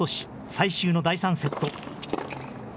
最終の第３セット。